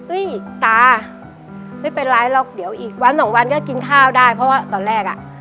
ตาไม่เป็นไรหรอกเดี๋ยวอีกวันสองวันก็กินข้าวได้เพราะว่าตอนแรกอ่ะ